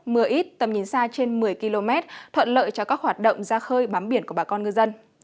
mưa ít tầm nhìn xa trên một mươi km thuận lợi cho các hoạt động ra khơi bám biển của bà con ngư dân